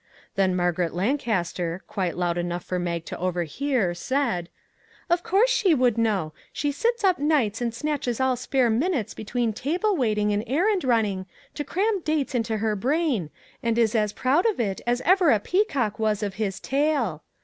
Then Margaret Lancaster, quite loud enough for Mag to overhear, said :" Of course she would know ; she sits up nights and snatches all spare minutes between table wait ing and errand running to cram dates into her brain, and is as proud of it as ever a peacock was of his tail.